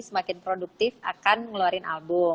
semakin produktif akan ngeluarin album